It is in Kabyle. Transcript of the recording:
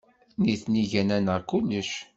Nitni gan-aneɣ kullec.